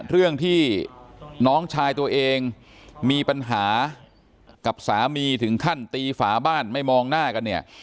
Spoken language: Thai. เรื่องที่น้องชายตัวเองมีปัญหากับสามีถึงขั้นตีฝาบ้านไม่มองหน้ากันเนี่ย